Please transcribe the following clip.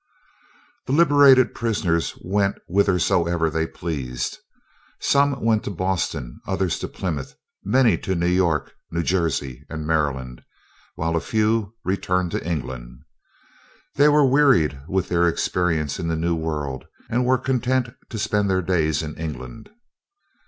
The liberated prisoners went whithersoever they pleased. Some went to Boston, others to Plymouth, many to New York, New Jersey and Maryland, while a few returned to England. They were wearied with their experience in the New World, and were content to spend their days in England.